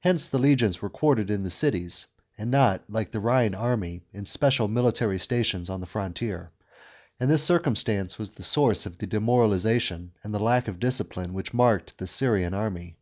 Hence the legions were quartered in the cities, and not, like the Rhine army, in special military stations on the frontier ; and this circumstance was the source of the demoralisation and lack of discipline which marked the Syrian army.